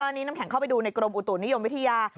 อันนี้น้ำแข็งเข้าไปดูในกรมอุตุนิยมวิทยา